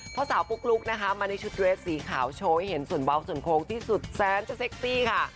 เพราะสาวปุ๊กลุ๊กนะคะมาในชุดเรสสีขาวโชว์ให้เห็นส่วนเบาส่วนโค้งที่สุดแสนจะเซ็กซี่ค่ะ